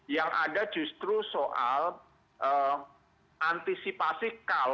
yang ada justru soal antisipasi